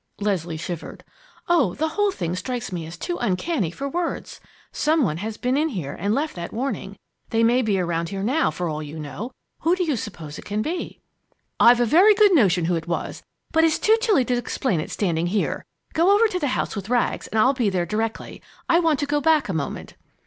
Leslie shivered. "Oh, the whole thing strikes me as too uncanny for words! Some one has been in here and left that warning. They may be around here now, for all you know. Who do you suppose it can be?" "I've a very good notion who it was, but it's too chilly to explain it standing here. Go over to the house with Rags and I'll be there directly. I want to go back a moment."